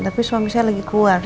tapi suami saya lagi keluar